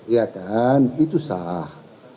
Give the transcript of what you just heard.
ya kan itu sah